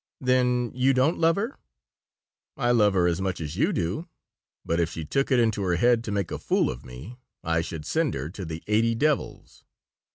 "Then you don't love her." "I love her as much as you do, but if she took it into her head to make a fool of me I should send her to the eighty devils."